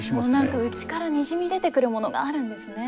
何か内からにじみ出てくるものがあるんですね。